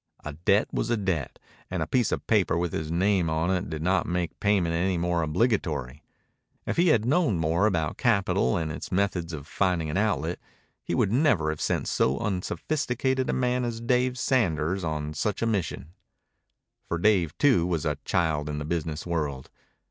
A debt was a debt, and a piece of paper with his name on it did not make payment any more obligatory. If he had known more about capital and its methods of finding an outlet, he would never have sent so unsophisticated a man as Dave Sanders on such a mission. For Dave, too, was a child in the business world.